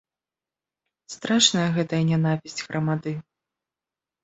Страшная гэта нянавісць грамады.